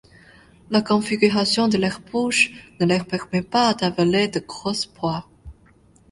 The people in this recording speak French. La configuration de leur bouche ne leur permet pas d'avaler de grosses proies.